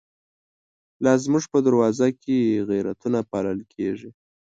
لازموږ په دروازوکی، غیرتونه پالل کیږی